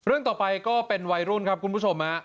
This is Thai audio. เรื่องต่อไปก็เป็นวัยรุ่นครับคุณผู้ชม